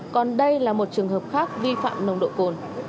còn đây là một trường hợp khác vi phạm nồng độ cồn